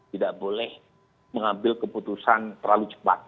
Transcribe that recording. tidak boleh mengambil keputusan terlalu cepat